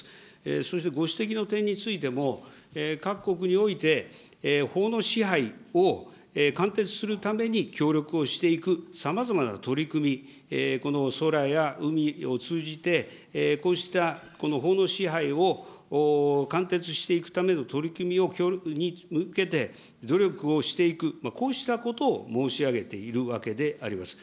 そしてご指摘の点についても、各国において法の支配をかんてつするために協力をしていくさまざまな取り組み、この空や海を通じて、こうしたこの法の支配を貫徹していくための取り組みをきょうりょくに向けて、努力をしていく、こうしたことを申し上げているわけであります。